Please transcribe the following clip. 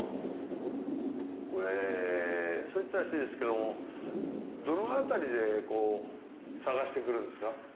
これそう言ったら失礼ですけどもどの辺りで探して来るんですか？